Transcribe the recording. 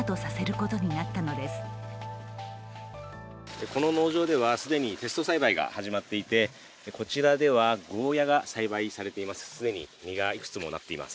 この農場では既にテスト栽培が始まっていてこちらではゴーヤが栽培されています。